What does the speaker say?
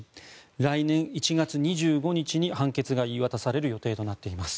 来年１月２５日に判決が言い渡される予定となっています。